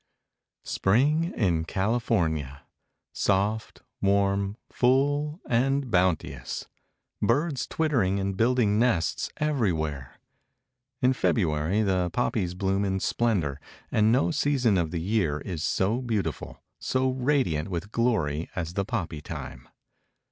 Spring in California—soft, warm, full and bounteous. Birds twittering and building nests everywhere. In February the poppies bloom in splendor, and no season of the year is so beautiful, so radiant with glory as the poppy time.